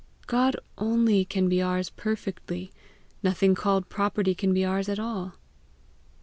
God only can be ours perfectly; nothing called property can be ours at all."